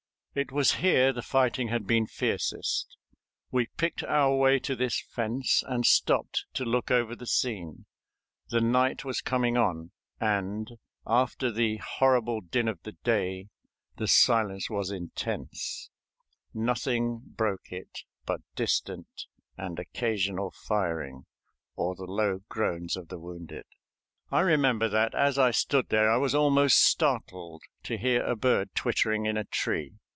It was here the fighting had been fiercest. We picked our way to this fence, and stopped to look over the scene. The night was coming on, and, after the horrible din of the day, the silence was intense; nothing broke it but distant and occasional firing or the low groans of the wounded. I remember that as I stood there I was almost startled to hear a bird twittering in a tree.